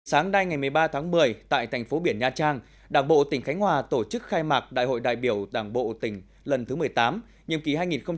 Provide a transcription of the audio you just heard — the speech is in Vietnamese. sáng nay ngày một mươi ba tháng một mươi tại thành phố biển nha trang đảng bộ tỉnh khánh hòa tổ chức khai mạc đại hội đại biểu đảng bộ tỉnh lần thứ một mươi tám nhiệm kỳ hai nghìn hai mươi hai nghìn hai mươi năm